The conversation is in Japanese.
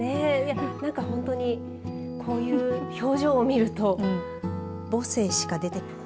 なんか、本当にこういう表情を見ると母性しか出て。